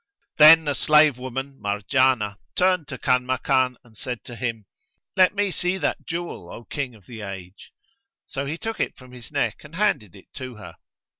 Then the slave women Marjanah turned to Kanmakan and said to him, "Let me see that jewel, O King of the Age!"; so he took it from his neck and handed it to her.